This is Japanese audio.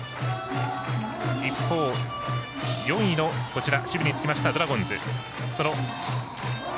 一方、４位の守備につきましたドラゴンズ。